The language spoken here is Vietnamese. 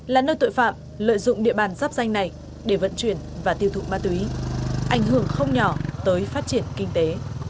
là nơi tội phạm lợi dụng địa bàn giáp danh này để vận chuyển và tiêu thụ ma túy ảnh hưởng không nhỏ tới phát triển kinh tế